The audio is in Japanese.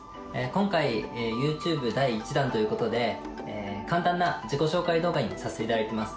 今回、ユーチューブ第１弾ということで、簡単な自己紹介動画にさせていただいてます。